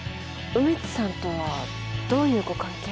梅津さんとはどういうご関係？